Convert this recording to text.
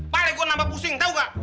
paling gue nambah pusing tau gak